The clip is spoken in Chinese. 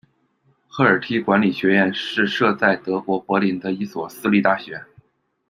赫尔梯管理学院是设在德国柏林的一所私立大学。